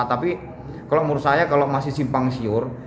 tapi kalau menurut saya kalau masih simpang siur